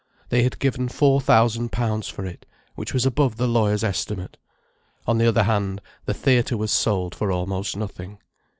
They had given four thousand pounds for it—which was above the lawyer's estimate. On the other hand, the theatre was sold for almost nothing.